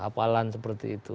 hapalan seperti itu